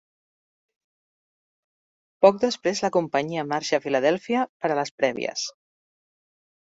Poc després la companyia marxa a Filadèlfia per a les prèvies.